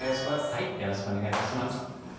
はいよろしくお願い致します